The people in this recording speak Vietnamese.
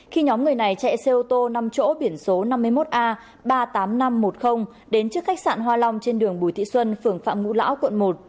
khi nhóm người này chạy xe ô tô năm chỗ biển số năm mươi một a ba mươi tám nghìn năm trăm một mươi đến trước khách sạn hoa long trên đường bùi thị xuân phường phạm ngũ lão quận một